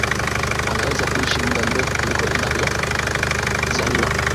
wanaweza kuishi muda mrefu kuliko inavyozaniwa